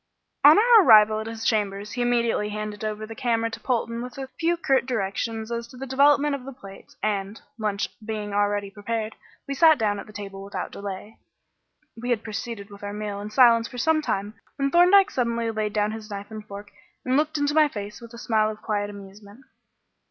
On our arrival at his chambers he immediately handed over the camera to Polton with a few curt directions as to the development of the plates, and, lunch being already prepared, we sat down at the table without delay. We had proceeded with our meal in silence for some time when Thorndyke suddenly laid down his knife and fork and looked into my face with a smile of quiet amusement.